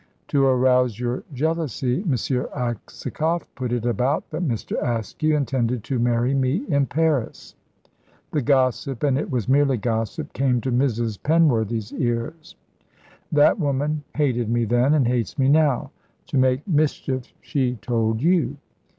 To arouse your jealousy, M. Aksakoff put it about that Mr. Askew intended to marry me in Paris. The gossip and it was merely gossip came to Mrs. Penworthy's ears. That woman hated me then, and hates me now. To make mischief she told you.